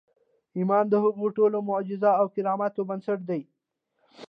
ايمان د هغو ټولو معجزو او کراماتو بنسټ دی.